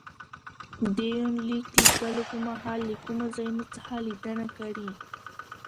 دې يونليک ليکلو په مهال له کومو ځايونو څخه ليدنه کړې